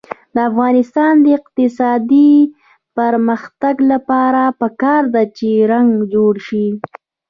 د افغانستان د اقتصادي پرمختګ لپاره پکار ده چې رنګ جوړ شي.